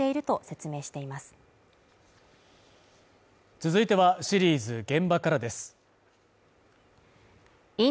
続いては、シリーズ「現場から」です。